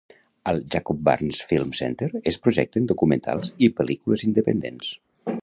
Al Jacob Burns Film Center es projecten documentals i pel·lícules independents.